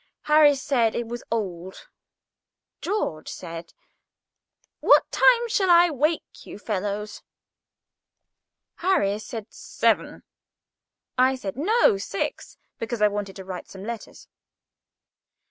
Harris said it was old. George said: "What time shall I wake you fellows?" Harris said: "Seven." I said: "No—six," because I wanted to write some letters.